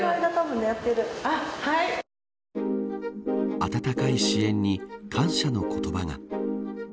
温かい支援に感謝の言葉が。